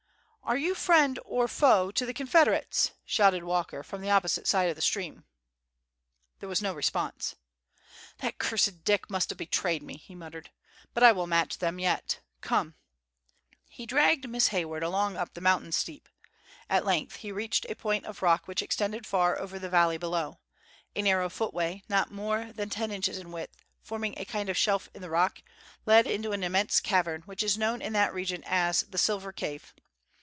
"Are you friend or foe to the Confederates?" shouted Walker, from the opposite side of the stream. There was no response. "That cursed Dick must have betrayed me," he muttered. "But, I will match them yet. Come!" He dragged Miss Hayward along up the mountain steep. At length he reached a point of rock which extended far over the valley below. A narrow footway, not more than ten inches in width, forming a kind of shelf in the rock, led into an immense cavern, which is known in that region as the "Silver Cave."